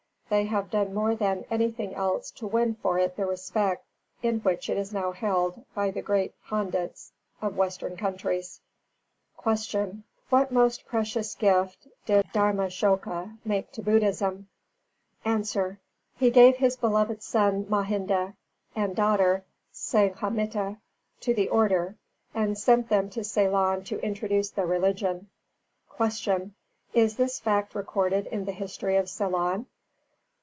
They have done more than anything else to win for it the respect in which it is now held by the great pandits of western countries. 296. Q. What most precious gift did Dharmāshoka make to Buddhism? A. He gave his beloved son, Mahinda, and daughter, Sanghamitta, to the Order, and sent them to Ceylon to introduce the religion. 297. Q. _Is this fact recorded in the history of Ceylon?